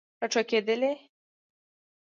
راټوکیدلې